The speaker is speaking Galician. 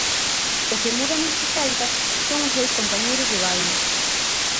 O que muda neste Celta son os seus compañeiros de baile.